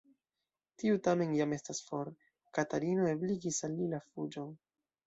Tiu tamen jam estas for: Katarino ebligis al li la fuĝon.